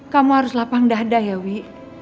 kamu harus lapang dada ya wi